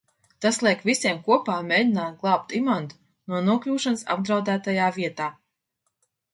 Tas liek visiem kopā mēģināt glābt Imantu no nokļūšanas apdraudētajā vietā.